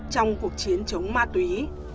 trong cuộc chiến chống ma túy